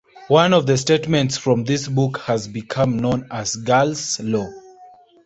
One of the statements from this book has become known as Gall's law.